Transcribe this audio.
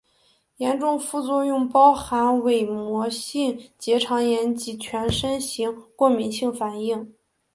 严重副作用包含伪膜性结肠炎及全身型过敏性反应。